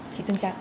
chị tân trang